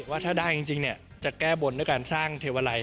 ว่าถ้าได้จริงจะแก้บนด้วยการสร้างเทวาลัย